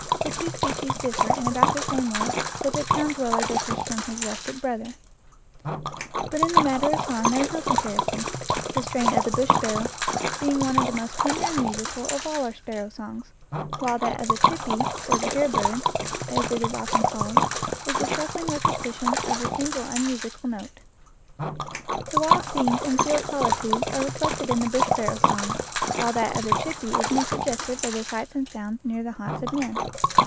The two species differ in about the same way that the town dweller differs from his rustic brother. But in the matter of song there is no comparison the strain of the bush sparrow being one of the most tender and musical of all our sparrow songs, while that of the "chippie," or the hair bird, as it is often called, is a shuffling repetition of a single unmusical 66 EACH AFTER ITS KIND note. The wild scenes and field solitudes are reflected in the bush sparrow's song, while that of the chip pie is more suggestive of the sights and sounds near the haunts of men.